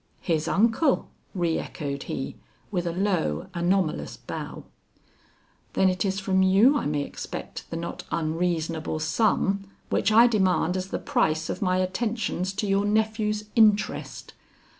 "His uncle!" reëchoed he, with a low anomalous bow; "then it is from you I may expect the not unreasonable sum which I demand as the price of my attentions to your nephew's interest.